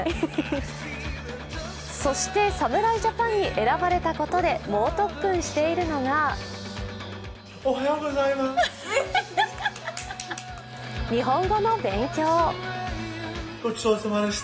そして侍ジャパンに選ばれたことで猛特訓しているのが日本語の勉強。